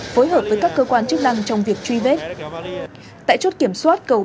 phối hợp với các cơ quan chức năng trong việc truy vết